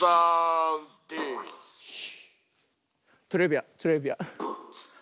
トレビアントレビアン。